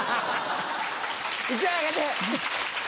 １枚あげて。